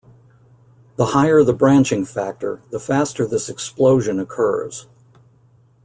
The higher the branching factor, the faster this "explosion" occurs.